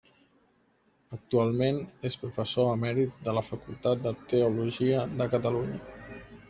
Actualment és professor emèrit de la Facultat de Teologia de Catalunya.